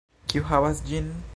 Kiu havas ĝin!